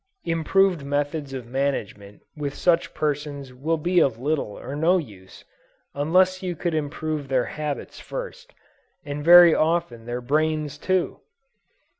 Improved methods of management with such persons will be of little or no use, unless you could improve their habits first, and very often their brains too!